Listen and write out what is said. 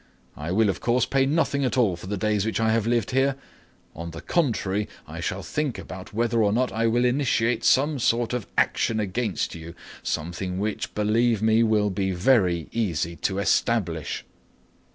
I will, of course, pay nothing at all for the days which I have lived here; on the contrary I shall think about whether or not I will initiate some sort of action against you, something which—believe me—will be very easy to establish."